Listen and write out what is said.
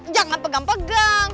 eh jangan pegang pegang